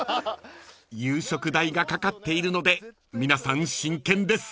［夕食代がかかっているので皆さん真剣です］